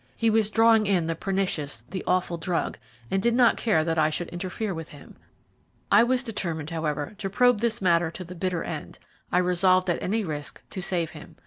He was drawing in the pernicious, the awful drug, and did not care that I should interfere with him. I was determined, however, to probe this matter to the bitter end. I resolved at any risk to save him.